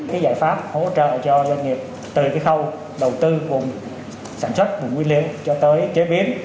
cái giải pháp hỗ trợ cho doanh nghiệp từ cái khâu đầu tư vùng sản xuất vùng nguyên liệu cho tới chế biến